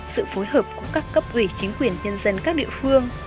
sự phối hợp của các cấp ủy chính quyền nhân dân các địa phương